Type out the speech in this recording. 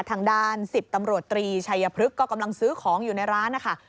ทางด้าน๑๐ตำรวจตรีชัยพฤกษ์ก็กำลังซื้อของอยู่ในร้านนะคะ